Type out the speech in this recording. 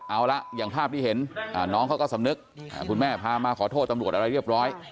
เอาละอย่างภาพที่เห็นน้องเขาก็สำนึกคุณแม่พามาขอโทษตำรวจอะไรเรียบร้อย